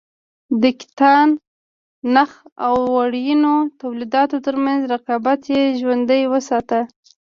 د کتان- نخ او وړینو تولیداتو ترمنځ رقابت یې ژوندی وساته.